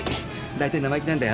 大体生意気なんだよ。